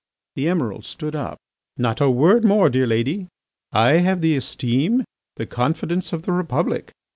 The Emiral stood up. "Not a word more, dear lady. I have the esteem, the confidence of the Republic.